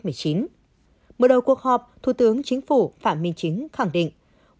mở đầu cuộc họp thủ tướng chính phủ phạm minh chính khẳng định